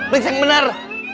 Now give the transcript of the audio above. periksa yang benar